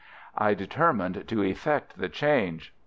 I determined to effect the change.